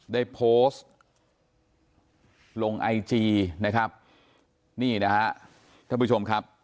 ได้โพสต์ลงไอจีนะครับนี่นะฮะท่านผู้ชมครับ